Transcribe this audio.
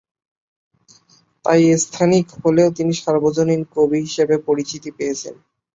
তাই স্থানিক হলেও তিনি সার্বজনীন কবি হিসেবে পরিচিত পেয়েছেন।